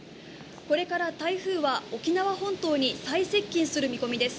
これから台風は沖縄本島に最接近する見込みです。